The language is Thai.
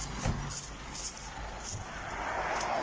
ผมจะเรียกจรวรนะครับ